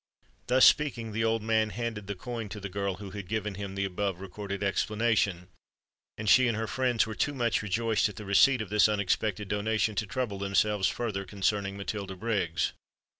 Thus speaking, the old man handed the coin to the girl who had given him the above recorded explanation; and she and her friends were too much rejoiced at the receipt of this unexpected donation, to trouble themselves further concerning Matilda Briggs.